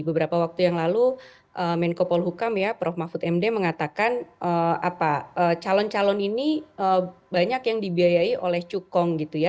beberapa waktu yang lalu menko polhukam ya prof mahfud md mengatakan calon calon ini banyak yang dibiayai oleh cukong gitu ya